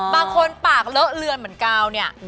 ปากเลอะเลือนเหมือนกาวเนี่ย